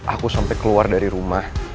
aku sampai keluar dari rumah